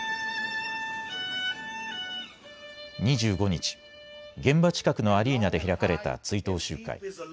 ２５日、現場近くのアリーナで開かれた追悼集会。